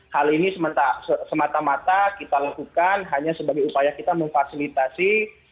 hal ini semata mata kita lakukan hanya sebagai upaya kita memfasilitasi